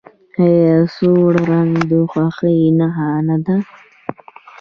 آیا سور رنګ د خوښۍ نښه نه ده؟